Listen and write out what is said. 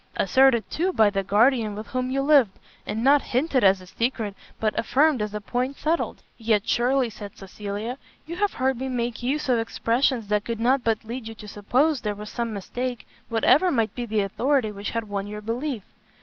asserted, too, by the guardian with whom you lived? and not hinted as a secret, but affirmed as a point settled?" "Yet surely," said Cecilia, "you have heard me make use of expressions that could not but lead you to suppose there was some mistake, whatever might be the authority which had won your belief."